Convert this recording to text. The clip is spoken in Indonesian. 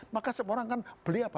maka semua orang kan beli apa